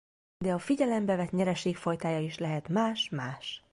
De a figyelembe vett nyereség fajtája is lehet más-más.